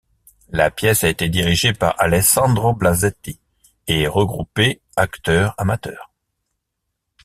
La pièce a été dirigée par Alessandro Blasetti et regroupé acteurs amateurs.